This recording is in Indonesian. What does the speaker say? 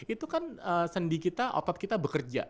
itu kan sendi kita otot kita bekerja